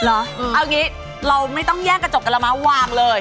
เอาอย่างนี้เราไม่ต้องแย่งกระจกกระม้าวางเลย